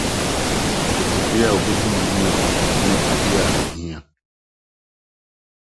Dekode no a obehu no yiye no ne ade a ehia.